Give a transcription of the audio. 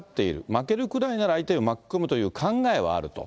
負けるくらいなら相手を巻き込むという考えはあると。